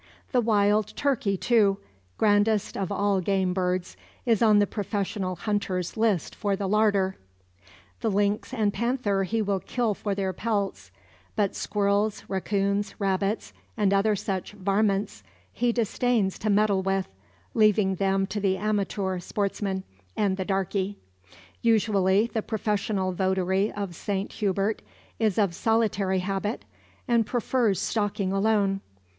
The wild turkey, too grandest of all game birds is on the professional hunter's list for the larder; the lynx and panther he will kill for their pelts; but squirrels, racoons, rabbits, and other such "varmints," he disdains to meddle with, leaving them to the amateur sportsman, and the darkey. Usually the professional votary of Saint Hubert is of solitary habit, and prefers stalking alone.